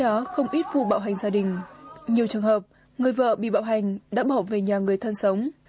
trong đó không ít vụ bạo hành gia đình nhiều trường hợp người vợ bị bạo hành đã bỏ về nhà người thân sống